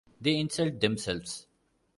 They insult themselves.